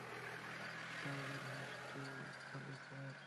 Browsing history খালি, sir.